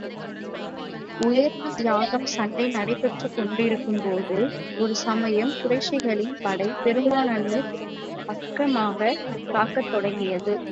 உயிர்த் தியாகம் சண்டை நடைபெற்றுக் கொண்டிருக்கும் போது, ஒரு சமயம் குறைஷிகளின் படை, பெருமானாரின் பக்கமாகத் தாக்கத் தொடங்கியது.